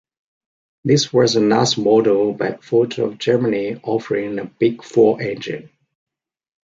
This was the last model by Ford of Germany offering the big four engine.